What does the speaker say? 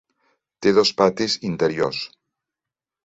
Té dos patis interiors.